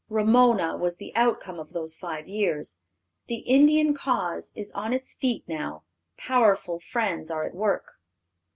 Ramona was the outcome of those five years. The Indian cause is on its feet now; powerful friends are at work."